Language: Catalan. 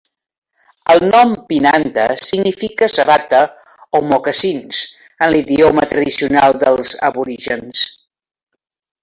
El nom Pinantah significa sabata o mocassins en l'idioma tradicional dels aborígens.